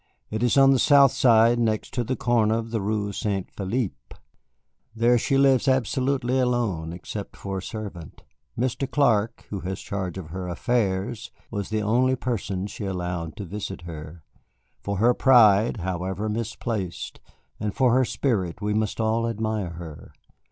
It is on the south side, next to the corner of the Rue St. Philippe. There she lives absolutely alone, except for a servant. Mr. Clark, who has charge of her affairs, was the only person she allowed to visit her. For her pride, however misplaced, and for her spirit we must all admire her.